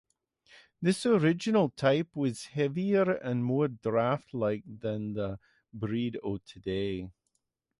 This original type was heavier and more draft-like than the breed of today.